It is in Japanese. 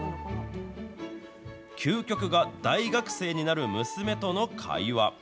究極が大学生になる娘との会話。